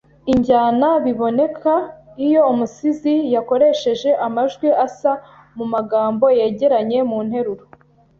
Injyana biboneka iyo umusizi yakoresheje amajwi asa mu magamo yegeranye mu nteruro